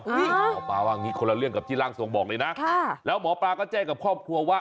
นี่หมอป้าว่างงี้คนละเรื่องกับจิล่างส่วงบอกเลยนะค่ะแล้วหมอป้าก็แจ้งกับครอบครัวว่า